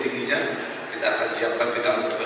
kita akan siapkan kita akan menutupkan